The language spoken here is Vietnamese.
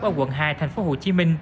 ở quận hai tp hcm